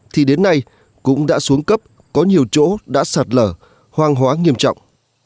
thì đến nay cũng đã xuống cấp có nhiều chỗ đã sạt lở hoang hóa nghiêm trọng